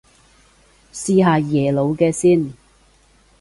試下耶魯嘅先